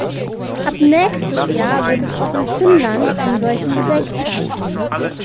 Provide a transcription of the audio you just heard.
Ab nächstes Jahr wird es auch in Finnland einen solchen Gedenktag geben.